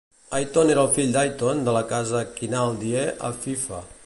Ayton era el fill d'Ayton de la casa Kinaldie a Fife.